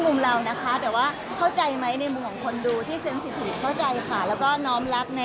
มันก็เลยอาจจะมีอะไรที่คือแตกอยู่